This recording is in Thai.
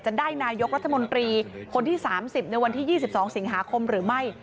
จะได้นายกรัฐมนตรีคนที่๓๐ในวันที่๒๒สิงหาคมหรือไม่